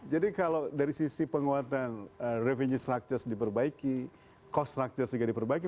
jadi kalau dari sisi penguatan revenue structure diperbaiki cost structure juga diperbaiki